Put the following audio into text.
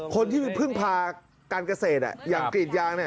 คนที่ไปพึ่งพาการเกษตรอย่างกรีดยาง